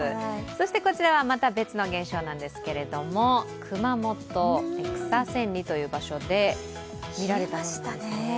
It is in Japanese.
そしてこちらはまた別の現象なんですけれども、熊本、草千里という場所で見られたものですね。